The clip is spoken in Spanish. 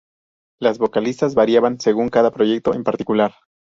Las vocalistas variaban según cada proyecto en particular.